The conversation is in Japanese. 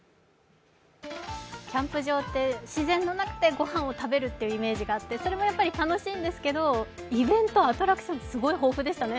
キャンプ場って自然の中でごはんを食べるっていうイメージがあってそれもやっぱり楽しいんですけど、イベントアトラクション、すごく豊富でしたね。